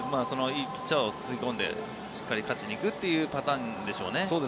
いいピッチャーをつぎ込んでしっかり勝ちに行くというパターンでしょうね。